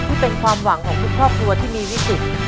ที่เป็นความหวังของทุกครอบครัวที่มีวิกฤต